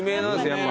やっぱ。